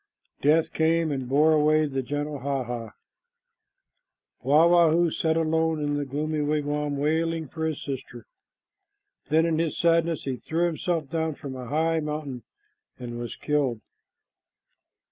Death came and bore away the gentle Hah hah. Wah wah hoo sat alone in the gloomy wigwam wailing for his sister. Then in his sadness he threw himself down from a high mountain and was killed.